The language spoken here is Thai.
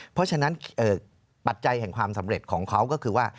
เพราะฉะนั้นปัจจัยแห่งความสำเร็จของเขาก็คือว่า